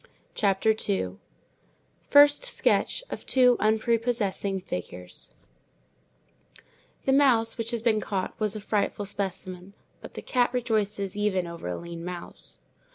CHAPTER II—FIRST SKETCH OF TWO UNPREPOSSESSING FIGURES The mouse which had been caught was a pitiful specimen; but the cat rejoices even over a lean mouse.